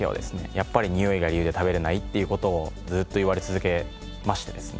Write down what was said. やっぱりにおいが理由で食べられないっていう事をずっと言われ続けましてですね。